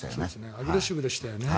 アグレッシブでしたよね。